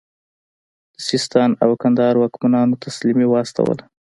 د سیستان او کندهار واکمنانو تسلیمي واستوله.